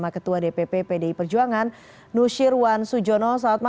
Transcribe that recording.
ketua dpp pdi perjuangan